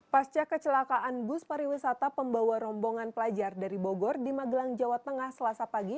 pasca kecelakaan bus pariwisata pembawa rombongan pelajar dari bogor di magelang jawa tengah selasa pagi